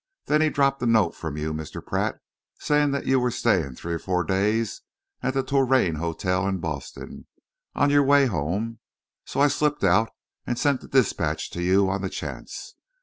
Then he dropped a note from you, Mr. Pratt, saying that you were staying three or four days at the Touraine Hotel in Boston, on your way home, so I slipped out and sent that dispatch to you on the chance.